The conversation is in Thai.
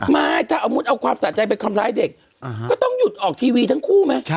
ไม่ถ้าสมมุติเอาความสะใจไปทำร้ายเด็กก็ต้องหยุดออกทีวีทั้งคู่ไหม